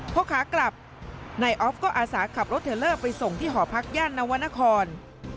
พอขากลับนายออฟก็อาสาขับรถเทลเลอร์ไปส่งที่หอพักย่านนวรรณคร